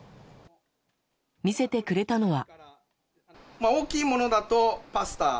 見せてくれたのは。